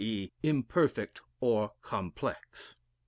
e._, imperfect or complex): "1.